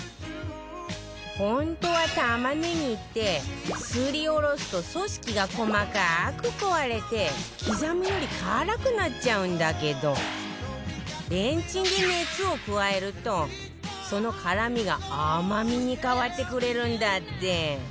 本当は玉ねぎってすりおろすと組織が細かく壊れて刻むより辛くなっちゃうんだけどレンチンで熱を加えるとその辛みが甘みに変わってくれるんだって